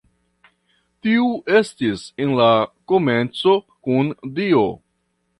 Tiu estis en la komenco kun Dio.